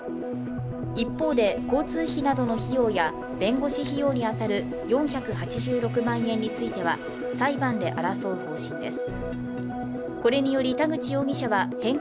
一方で、交通費などの費用や弁護士費用に当たる４８６万円については裁判で争う方針です。